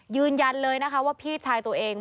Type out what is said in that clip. ยืนยันเลยนะคะว่าพี่ชายตัวเอง